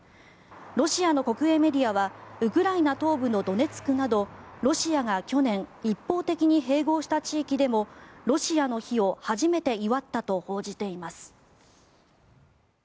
ロシアの国営メディアはウクライナ東部のドネツクなどロシアが去年一方的に併合した地域でもロシアの日を初めて祝ったと報じています。